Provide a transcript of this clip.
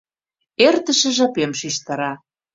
Эртыше жапем шижтара...